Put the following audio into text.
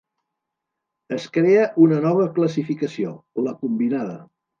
Es crea una nova classificació: la combinada.